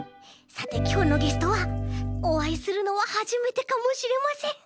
さてきょうのゲストはおあいするのははじめてかもしれません。